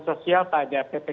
jadi kalau bisa